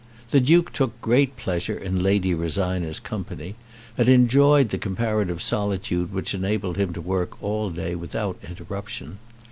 The Duke took great pleasure in Lady Rosina's company, and enjoyed the comparative solitude which enabled him to work all day without interruption.